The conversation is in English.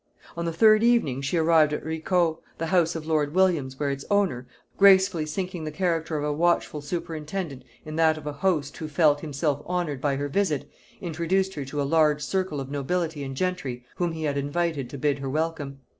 On the third evening she arrived at Ricot, the house of lord Williams, where its owner, gracefully sinking the character of a watchful superintendant in that of a host who felt himself honored by her visit, introduced her to a large circle of nobility and gentry whom he had invited to bid her welcome.